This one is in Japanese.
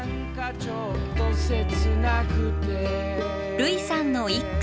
類さんの一句。